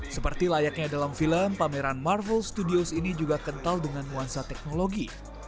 seperti layaknya dalam film pameran marvel studios ini juga kental dengan nuansa teknologi